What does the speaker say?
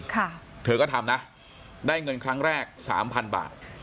เธอก็ทำนะได้เงินครั้งแรกสามพันบาท